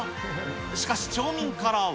しかし町民からは。